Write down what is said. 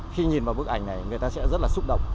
khi nhìn vào bức ảnh này người ta sẽ rất là xúc động